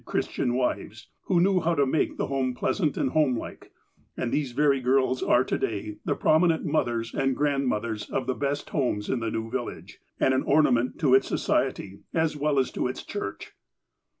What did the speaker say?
Christian wives, who knew how to make the home pleasant and homelike, and these very girls are to day the prominent mothers and grandmothers of the best homes in the new village, and an ornament to its so ciety, as well as to its church.